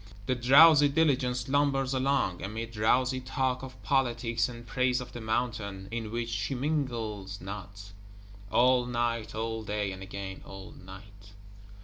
The drowsy Diligence lumbers along; amid drowsy talk of Politics, and praise of the Mountain; in which she mingles not: all night, all day, and again all night.